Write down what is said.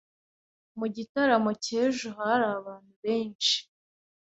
Mu gitaramo cy'ejo hari abantu benshi.